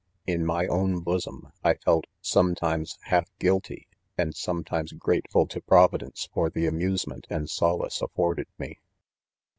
In my own bosom I felt sometimes half guilty, and sometimes grateful to providence for the amusement and solace afforded me.